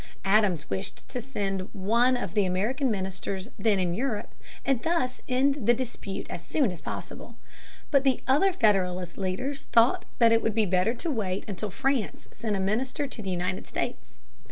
Adams wished to send one of the American ministers then in Europe, and thus end the dispute as soon as possible. But the other Federalist leaders thought that it would be better to wait until France sent a minister to the United States.